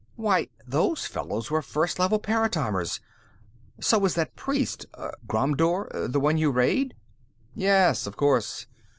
"Why, those fellows were First Level paratimers. So was that priest, Ghromdur: the one you rayed." "Yes, of course.